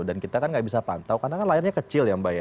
dan kita kan nggak bisa pantau karena kan layarnya kecil ya mbak ya